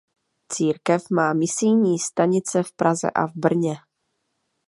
Církev má misijní stanice v Praze a v Brně.